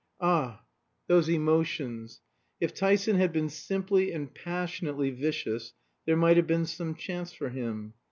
Ah, those emotions! If Tyson had been simply and passionately vicious there might have been some chance for him.